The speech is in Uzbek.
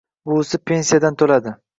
Buvisi pensiyasidan to'ladi